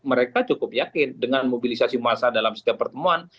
mereka cukup yakin dengan mobilisasi massa dalam setiap pertemuan